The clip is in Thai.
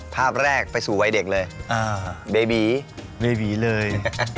ภาพแรกไปสู่วัยเด็กเลยเบบีเบบีเลย